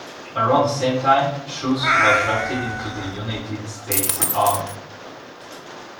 Around the same time, Schulz was drafted into the United States Army.